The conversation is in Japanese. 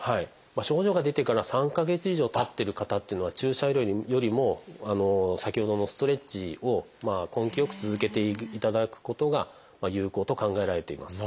症状が出てから３か月以上たってる方っていうのは注射よりも先ほどのストレッチを根気よく続けていただくことが有効と考えられています。